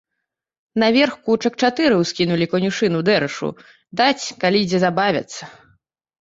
Наверх кучак чатыры ўскінулі канюшыны дэрашу, даць, калі дзе забавяцца.